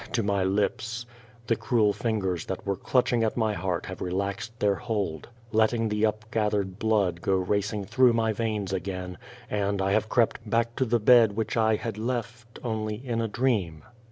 " to my lips ; the cruel fingers that were clutching at my heart have relaxed their hold, letting the up gathered blood go racing through my veins again, and I have crept back to the bed which I had left only in a dream.